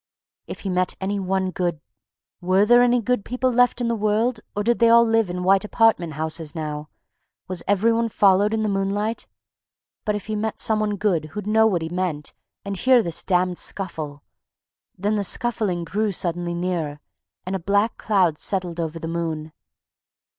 If he met any one good—were there any good people left in the world or did they all live in white apartment houses now? Was every one followed in the moonlight? But if he met some one good who'd know what he meant and hear this damned scuffle... then the scuffling grew suddenly nearer, and a black cloud settled over the moon.